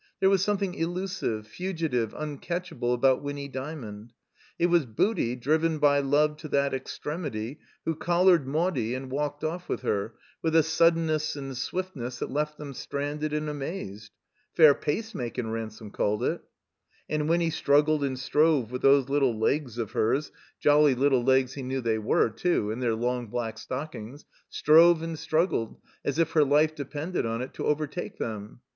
There was something elusive, fugitive, un catchable about Winny Dymond. It was Booty, driven by love to that extremity, who collared Maudie and walked off with her, with a suddenness and swiftness that left them stranded and amazed. Pair pace makin'," Ransome called it. And Winny struggled and strove with those Kttle legs of hers G^Uy Kttle legs he knew they were, too, in their long black stockings), strove and struggled, as if her life depended on it, to overtake them.